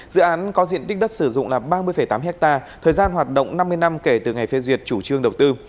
dự án có diện tích đất sử dụng là ba mươi tám hectare thời gian hoạt động năm mươi năm kể từ ngày phê duyệt chủ trương đầu tư